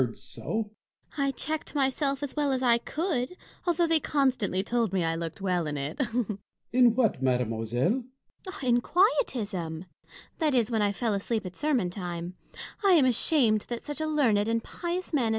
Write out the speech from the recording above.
I checked myself as well as I could, although they constantly told me I looked well in it. Bossuet. In what, mademoiselle? Fontanges. In quietism ; that is, when I fell asleep at sermon time. I ain ashamed that such a learned and pious man as M.